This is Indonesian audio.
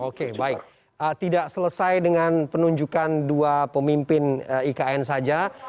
oke baik tidak selesai dengan penunjukan dua pemimpin ikn saja